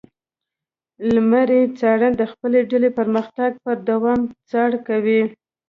لمری څارن د خپلې ډلې پرمختګ پر دوام څار کوي.